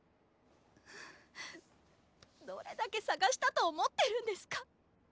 どれだけ捜したと思ってるんですか。